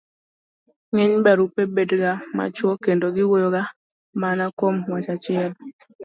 ng'eny barupe betga machuok kendo giwuoyo mana kuom wach achiel.